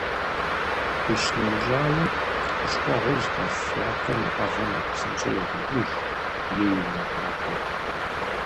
Къищынэмыщӏауэ, хущхъуэгъуэ зыхэлъ ятӏэм уӏэгъэр нэхъ псынщӏэу егъэкӏыж, е иримыгъакӏуэу.